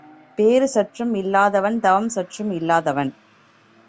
பேறு சற்றும் இல்லாதவன் தவம் சற்றும் இல்லாதவன்.